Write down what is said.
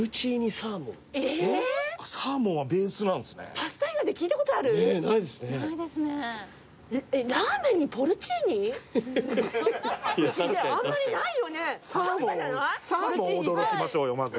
サーモン驚きましょうよまず。